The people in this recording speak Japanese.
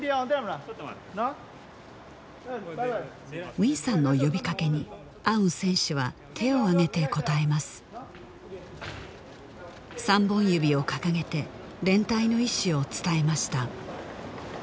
ウィンさんの呼びかけにアウン選手は手を上げて応えます３本指を掲げて連帯の意思を伝えました